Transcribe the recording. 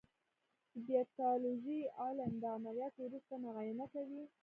د پیتالوژي علم د عملیاتو وروسته معاینه کوي.